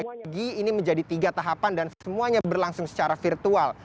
ini menjadi tiga tahapan dan semuanya berlangsung secara virtual